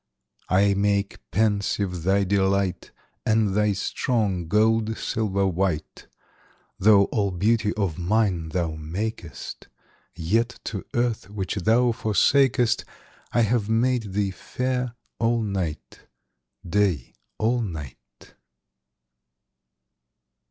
I make pensive thy delight, And thy strong gold silver white. Though all beauty of nine thou makest, Yet to earth which thou forsakest I have made thee fair all night, Day all night.